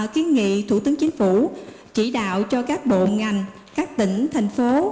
kiến nghị thủ tướng chính phủ chỉ đạo cho các bộ ngành các tỉnh thành phố